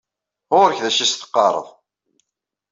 Ɣur-k d acu i as-teqqareḍ.